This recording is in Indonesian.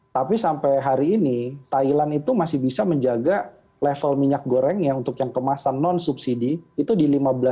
tapi sampai hari ini thailand itu masih bisa menjaga level minyak gorengnya untuk yang kemasan non subsidi itu di lima belas